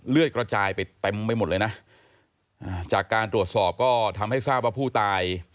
กระจายไปเต็มไปหมดเลยนะจากการตรวจสอบก็ทำให้ทราบว่าผู้ตาย